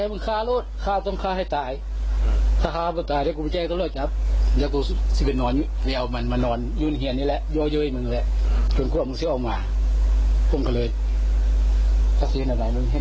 บอกครับผมก็กลับไปห้องน้ำเพราะว่าห้องน้ำพวกมันอยู่ได้ไกลแล้ว